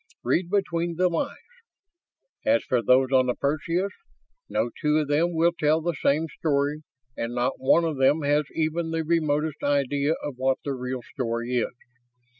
Read between the lines. As for those on the Perseus, no two of them will tell the same story and not one of them has even the remotest idea of what the real story is.